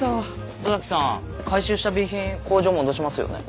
戸崎さん回収した備品工場戻しますよね？